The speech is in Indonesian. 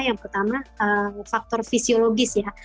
yang pertama faktor fisiologis ya